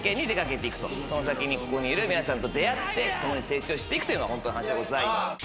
その先にここにいる皆さんと出会って共に成長していくというのがホントの話でございます。